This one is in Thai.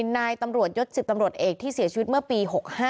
นายตำรวจยศ๑๐ตำรวจเอกที่เสียชีวิตเมื่อปี๖๕